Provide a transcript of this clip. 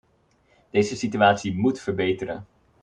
Deze situatie moet verbeteren.